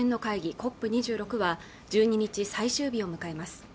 ＣＯＰ２６は１２日最終日を迎えます